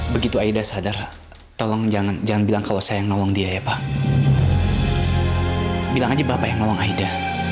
bilang aja bapak yang nolong aida